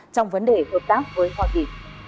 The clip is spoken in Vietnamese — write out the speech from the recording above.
trong vấn đề hợp tác với hoa kỳ